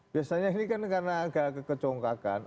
biasanya ini kan karena agak kecongkakan